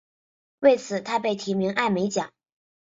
为此他被提名艾美奖。